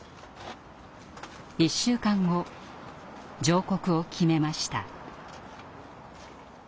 １週間後上告を決めました。